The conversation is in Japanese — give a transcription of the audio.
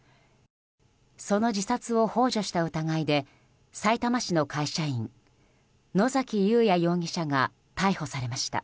その自殺をほう助した疑いでさいたま市の会社員野崎祐也容疑者が逮捕されました。